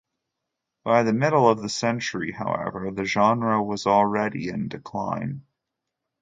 By the middle of the century, however, the genre was already in decline.